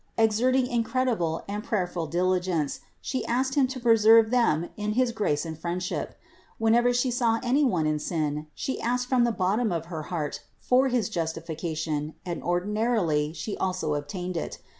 Exerting incredible and prayerful diligence She asked Him to preserve them in his grace and friendship. When ever She saw any one in sin, She asked from the bot tom of her heart for his justification and ordinarily She also obtained it.